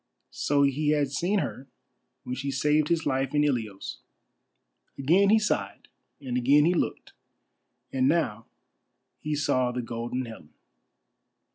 So he had seen her when she saved his life in Ilios. Again he sighed and again he looked, and now he saw the Golden Helen.